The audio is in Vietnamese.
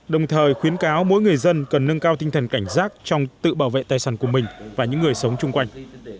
đồng thời khuyến cáo mỗi người dân cần nâng cao tinh thần cảnh giác trong tự bảo vệ tài sản của mình và những người sống chung quanh